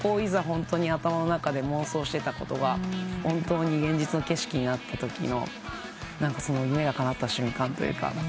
ホントに頭の中で妄想してたことが本当に現実の景色になったときの夢がかなった瞬間というか。